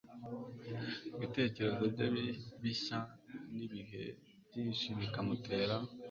Ibitekerezo bye bishya nibihe byinshi bikamutera